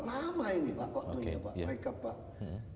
lama ini pak waktunya mereka pak